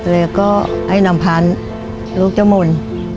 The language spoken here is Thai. และก็ให้นำพันธุ์ลูกจะหมด